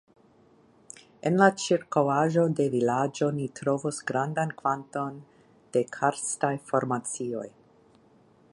En la ĉirkaŭaĵo de vilaĝo ni trovos grandan kvanton de karstaj formacioj.